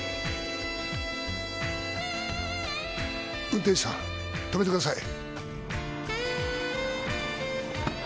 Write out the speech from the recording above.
運転手さん止めてください。